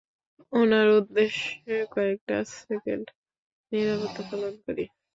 উনার উদ্দেশ্যে কয়েকটা সেকেন্ড নীরবতা পালন করি?